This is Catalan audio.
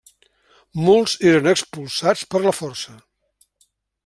Molts eren expulsats per la força.